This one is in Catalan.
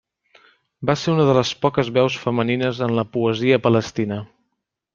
Va ser una de les poques veus femenines en la poesia palestina.